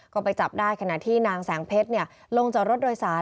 ก็ไปจับได้ขณะที่นางแสงเพชรลงจากรถโดยสาร